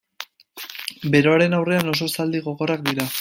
Beroaren aurrean oso zaldi gogorrak dira.